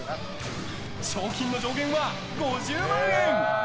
賞金の上限は５０万円。